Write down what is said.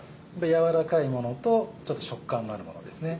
やわらかいものとちょっと食感があるものですね。